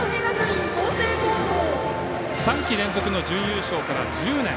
３季連続の準優勝から１０年。